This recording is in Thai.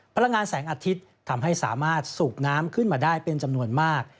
พลังงานแสงอาทิตย์ทำให้สามารถสูบน้ำขึ้นมาได้เป็นจำนวนมาก